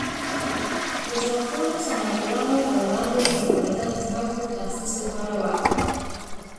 د ځواکمنو سناتورانو پر وړاندې یې مبارزه د ځمکو تخصیص لپاره وه